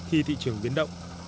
khi thị trường biến động